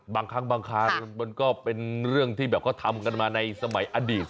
บางครั้งมันก็เป็นเรื่องที่ทำกันมาในสมัยอดีต